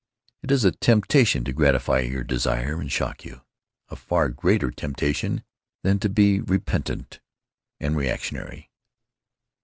It is a temptation to gratify your desire and shock you—a far greater temptation than to be repentant and reactionary.